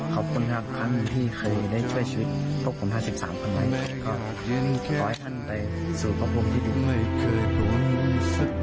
ขอบคุณครับทั้งตีที่เคยได้ช่วยชีวิต